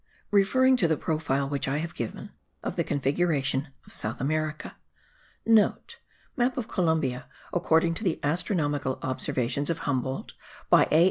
Referring to the profile which I have given* of the configuration of South America (* Map of Columbia according to the astronomical observations of Humboldt by A.